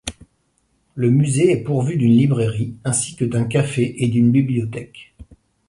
Le musée est pourvu d'une librairie, ainsi que d'un café et d'une bibliothèque.